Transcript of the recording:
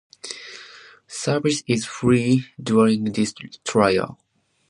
Service is free during this trial.